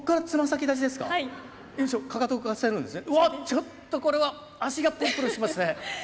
ちょっとこれは足がプルプルしますね。